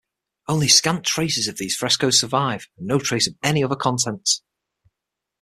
Only scant traces of these frescoes survive, and no trace of any other contents.